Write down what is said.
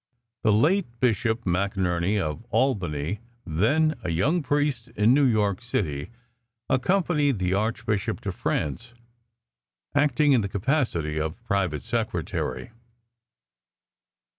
The late Bishop McNierny, of Albany, then a young priest in New York City, accompanied the Archbishop to France, acting in the capacity of private secretary.